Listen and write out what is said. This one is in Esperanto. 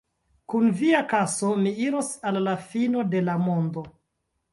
Kun via kaso mi iros al la fino de la mondo!